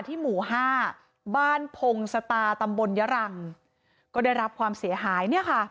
ที่หมู่๕บ้านพงศตาตำบลยะรังก็ได้รับความเสียหาย